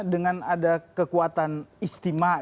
dengan ada kekuatan istimak